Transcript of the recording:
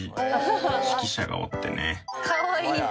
指揮者がおってね。